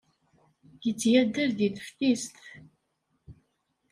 Yetteg addal deg teftist.